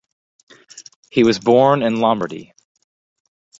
He was born in Lombardy.